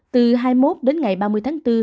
từ hai mươi một đến ngày ba mươi tháng bốn